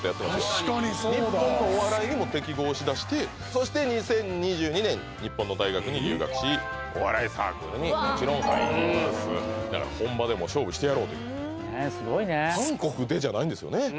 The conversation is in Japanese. そして２０２２年日本の大学に留学しお笑いサークルにもちろん入りますだから本場でも勝負してやろうというすごいね韓国でじゃないんですよね